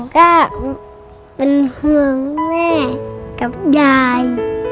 ก็เป็นห่วงแม่กับยาย